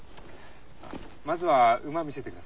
まずは馬見せてください。